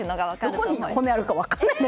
どこに骨あるか分かんない。